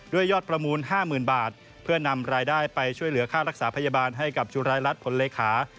ยอดประมูล๕๐๐๐บาทเพื่อนำรายได้ไปช่วยเหลือค่ารักษาพยาบาลให้กับจุรายรัฐผลเลขา